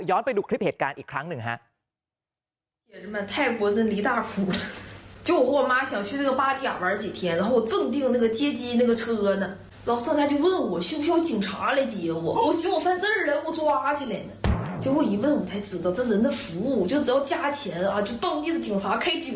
ไปดูคลิปเหตุการณ์อีกครั้งหนึ่งฮะ